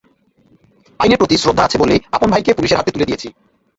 আইনের প্রতি শ্রদ্ধা আছে বলেই আপন ভাইকে পুলিশের হাতে তুলে দিয়েছি।